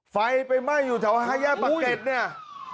ไฟไปไหม้อยู่ที่ห้ายแยกปากเกร็ดเนี่ย